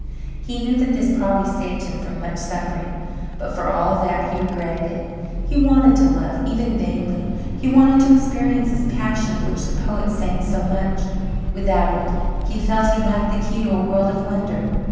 He knew that this probably saved him from much suffering, but for all that he regretted it. He wanted to love, even vainly; he wanted to experience this passion of which the poets sang so much. Without it he felt he lacked the key to a world of wonder.